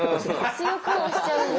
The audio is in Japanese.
強く押しちゃうんだ。